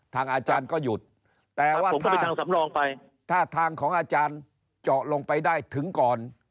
ทางอาจารย์ก็หยุดแต่ว่าถ้าทางของอาจารย์เจาะลงไปได้ถึงก่อน